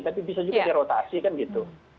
tapi bisa juga dirotasi kan gitu